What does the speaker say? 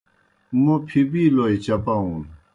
موں پِھبِیلوْئے چپاؤن۔